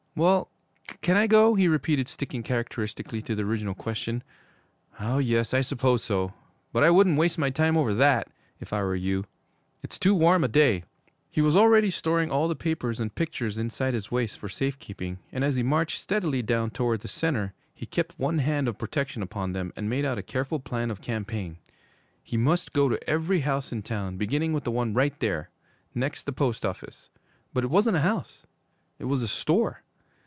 'Well, can I go?' he repeated, sticking characteristically to the original question. 'Oh, yes, I suppose so. But I wouldn't waste my time over that, if I were you. It's too warm a day.' He was already storing all the papers and pictures inside his waist for safe keeping, and as he marched steadily down town toward 'the centre,' he kept one hand of protection upon them and made out a careful plan of campaign. He must go to every house in town, beginning with the one right there, next the post office. But it wasn't a house. It was a store.